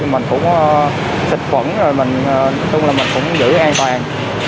mình cũng xịt quẩn mình cũng giữ an toàn